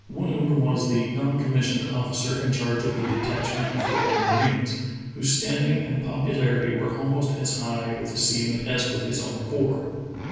V/oon was the non commissioned officer in charge of the detachment of royal marines, whose standing and popularity were almost as high with the seamen as with his own corps.